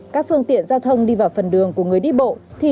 các phương tiện giao thông đi vào phần đường của người đi bộ